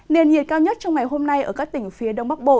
nền nhiệt cao nhất trong ngày hôm nay ở các tỉnh phía đông bắc bộ